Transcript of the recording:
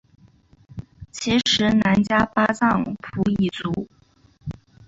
其时喃迦巴藏卜已卒。